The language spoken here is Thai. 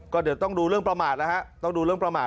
ก็เดี๋ยวต้องรู้เรื่องประมาทนะฮะ